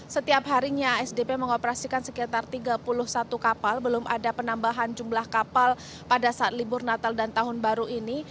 setiap harinya asdp mengoperasikan sekitar tiga puluh satu kapal belum ada penambahan jumlah kapal pada saat libur natal dan tahun baru ini